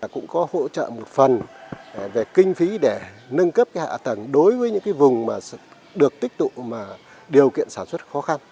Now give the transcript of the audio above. cũng có hỗ trợ một phần về kinh phí để nâng cấp hạ tầng đối với những cái vùng mà được tích tụ mà điều kiện sản xuất khó khăn